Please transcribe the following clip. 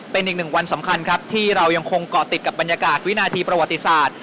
เป็นอีกหนึ่งวันสำคัญครับที่เรายังคงเกาะติดกับบรรยากาศวินาทีประวัติศาสตร์